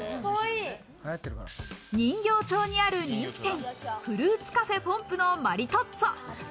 人形町にある人気店・フルーツカフェｐｏｍｐのマリトッツォ。